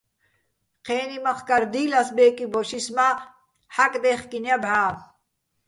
ჴე́ნი მახკარ დი́ლ ას ბე́კი ბოშ, ის მა́ ჰ̦აკდე́ხკინო̆ ჲა ბჵა́.